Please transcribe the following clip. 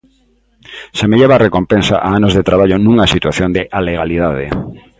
Semellaba a recompensa a anos de traballo nunha situación de alegalidade.